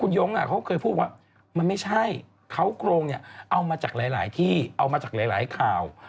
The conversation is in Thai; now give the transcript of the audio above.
ขึ้นไปแล้วขึ้นแล้วเราไม่ต้องแล้ว